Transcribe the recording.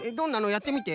やってみて。